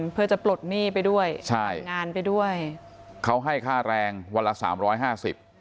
เพื่อจะปลดหนี้ไปด้วยใช่งานไปด้วยเขาให้ค่าแรงวันละสามร้อยห้าสิบ